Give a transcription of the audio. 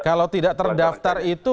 kalau tidak terdaftar itu